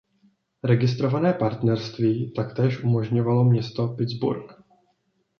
Registrované partnerství taktéž umožňovalo město Pittsburgh.